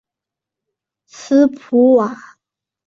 斯普瓦。